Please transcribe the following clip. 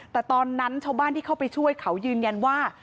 แต่ตอนนั้นชาวบ้านที่เข้าไปช่วยเขายืนยันว่า